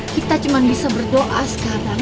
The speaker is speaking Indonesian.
kita cuma bisa berdoa sekarang